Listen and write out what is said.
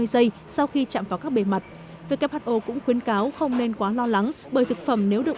hai mươi giây sau khi chạm vào các bề mặt who cũng khuyến cáo không nên quá lo lắng bởi thực phẩm nếu được